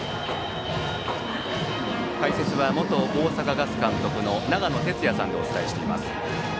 解説は元大阪ガス監督の長野哲也さんでお伝えしています。